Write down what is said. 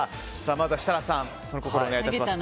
まずは設楽さんその心をお願いします。